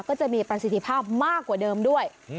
ก็จะมีประสิทธิภาพมากกว่าเดิมด้วย